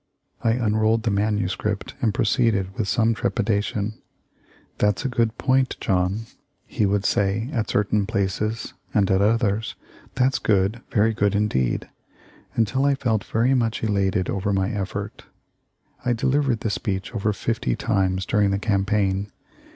I unrolled the manuscript, and proceeded with some trepidation. 'That's a good point, John,' he would THE LIFE OF LINCOLN. 3 19 say, at certain places, and at others : 'That's good — very good indeed,' until I felt very much elated over my effort. I delivered the speech over fifty times during the campaign.